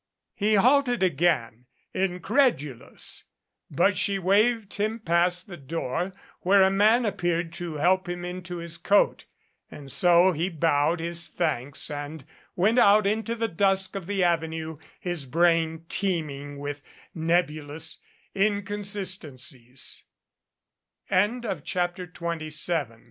He halted again incredulous, but she waved him past the door where a man appeared to help him into his coat. And so he bowed his thanks and went out into the dusk of the Avenue, his brain teeming with nebulous inconsis tenci